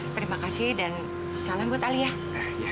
terima kasih dan salam buat ali ya